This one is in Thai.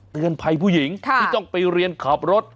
เตือนภัยผู้หญิงที่ต้องไปเรียนขับรถ